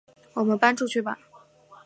我们搬出去吧